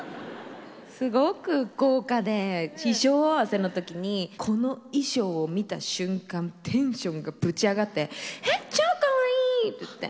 すごく豪華で衣装合わせの時にこの衣装を見た瞬間テンションがぶち上がって「えっ超かわいい！」って言って。